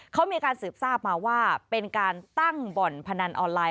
เขามีการสืบทราบมาว่าเป็นการตั้งบ่อนพนันออนไลน